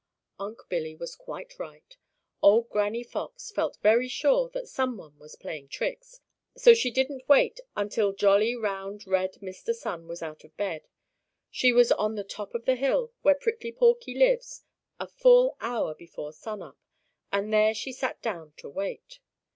Unc' Billy was quite right. Old Granny Fox felt very sure that some one was playing tricks, so she didn't wait until jolly, round, red Mr. Sun was out of bed. She was at the top of the hill where Prickly Porky lives a full hour before sun up, and there she sat down to wait.